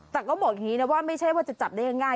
แต่ก็บอกอย่างนี้นะว่าไม่ใช่ว่าจะจับได้ง่าย